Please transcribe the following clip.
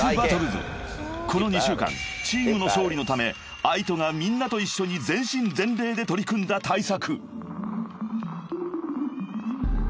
［この２週間チームの勝利のためＡＩＴＯがみんなと一緒に全身全霊で取り組んだ大作］